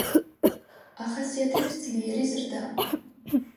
ახასიათებს ძლიერი ზრდა.